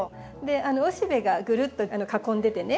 雄しべがぐるっと囲んでてね